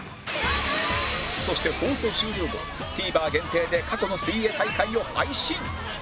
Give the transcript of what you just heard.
そして放送終了後 ＴＶｅｒ 限定で過去の水泳大会を配信！